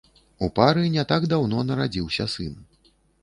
У пары не так даўно нарадзіўся сын.